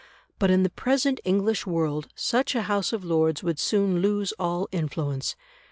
But in the present English world such a House of Lords would soon lose all influence.